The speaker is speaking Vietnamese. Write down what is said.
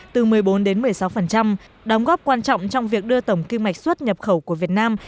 từ một mươi bốn đến một mươi sáu đóng góp quan trọng trong việc đưa tổng kinh mạch suất nhập khẩu của việt nam